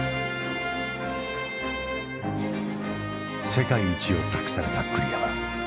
世界一を託された栗山。